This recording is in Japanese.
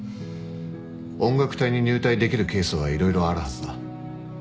音楽隊に入隊できるケースは色々あるはずだ。